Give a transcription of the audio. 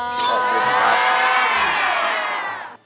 ขอบคุณครับ